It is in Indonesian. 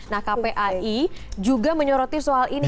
nah kpai juga menyoroti soal ini